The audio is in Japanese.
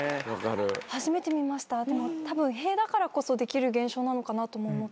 初めて見ました多分塀だからこそできる現象なのかなとも思って。